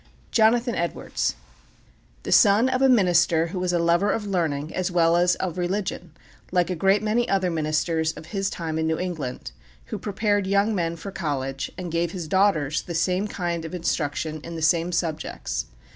JONATHAN EDWARDS The son of a minister who was a lover of learning as well as of religion, like a great many other ministers of his time in New England, who prepared young men for college, and gave his daughters the same kind of instruction in the same subjects.